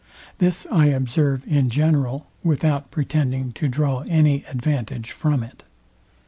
This I observe in general, without pretending to draw any advantage from it.